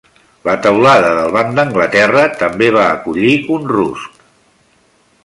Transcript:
La teulada del Banc d'Anglaterra també va acollir un rusc.